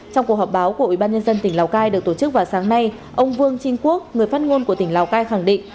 trong cuộc họp báo của ủy ban nhân dân tỉnh lào cai được tổ chức vào sáng nay ông vương chinh quốc người phát ngôn của tỉnh lào cai khẳng định